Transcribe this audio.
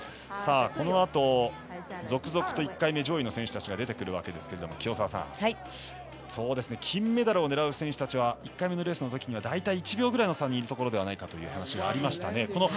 このあと続々と１回目上位の選手が出てきますが清澤さん、金メダルを狙う選手たちは１回目のレースのときには大体１秒ぐらいのところだという話がありましたね。